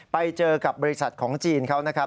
ไปเจอกับบริษัทของจีนเขานะครับ